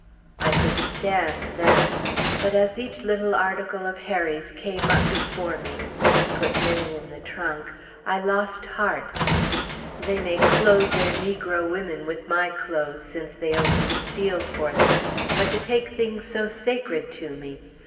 I could stand that. But as each little article of Harry's came up before me (I had put many in the trunk), I lost heart.... They may clothe their negro women with my clothes, since they only steal for them; but to take things so sacred to me!